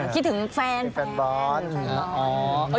คิดถึงแฟนแฟนบอล